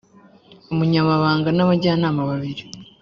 umunyamabanga n abajyanama babiri